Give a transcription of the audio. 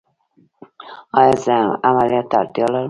ایا زه عملیات ته اړتیا لرم؟